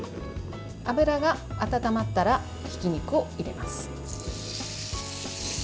油が温まったらひき肉を入れます。